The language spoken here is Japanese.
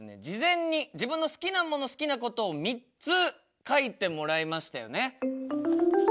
事前に自分の好きなもの好きなことを３つ書いてもらいましたよね？